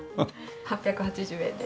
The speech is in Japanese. ８８０円です。